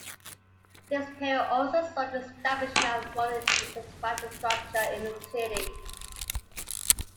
This period also saw the establishment of modern infrastructure in the city.